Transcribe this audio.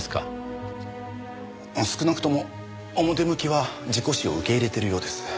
少なくとも表向きは事故死を受け入れているようです。